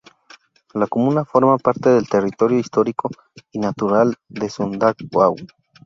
La comuna forma parte del territorio histórico y natural de Sundgau.